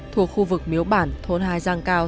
thuộc khu vực miếu bản thôn hai giang cao